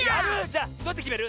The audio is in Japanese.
じゃあどうやってきめる？